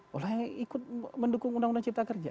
boleh ikut mendukung undang undang cipta kerja